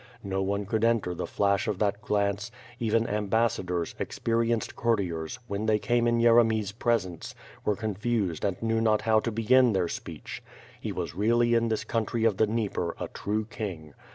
No one could enter the flash of that glance; even ambassadors, experienced courtiers, when they came in Yere my's presence, were confused and knew not how to begin their speech. He was really in this country of the Dnieper a true king.